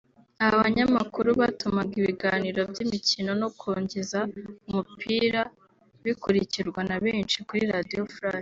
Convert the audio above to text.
Aba banyamakuru batumaga ibiganiro by’imikino no kogeza umupira bikurikirwa na benshi kuri Radio Flash